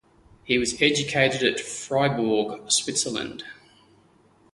He was educated at Fribourg, Switzerland.